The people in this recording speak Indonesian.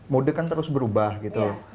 mudik kan terus berubah gitu